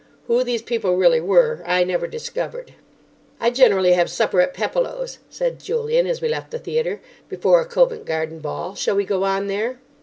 Who these people really were I never discovered. "I generally have supper at Pepolo's," said Julian, as we left the theatre, "before a Covent Garden Ball. Shall we go on there?"